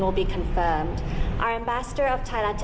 ขอบคุณค่ะเช่นค่ะ